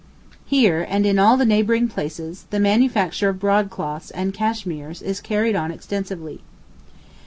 Here, and in all the neighboring places, the manufacture of broadcloths and cassimeres is carried on extensively.